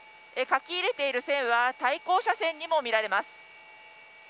書き入れている線は対向車線にも見えます。